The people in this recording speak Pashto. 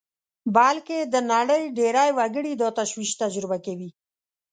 بلکې د نړۍ ډېری وګړي دا تشویش تجربه کوي